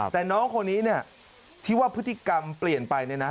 แต่น้องคนนี้เนี่ยที่ว่าพฤติกรรมเปลี่ยนไปเนี่ยนะ